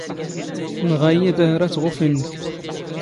ⵜⵏⵖⴰ ⵉⵢⵉ ⴱⴰⵀⵔⴰ ⵜⵖⵓⴼⵉ ⵏⵏⴽ.